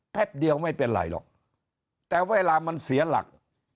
เดียวไม่เป็นไรหรอกแต่เวลามันเสียหลัก